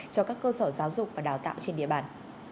cho các cơ sở giáo dục và đào tạo trên địa bàn